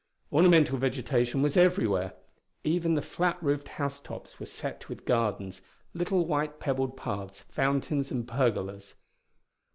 Ornamental vegetation was everywhere; even the flat roofed house tops were set with gardens, little white pebbled paths, fountains and pergolas.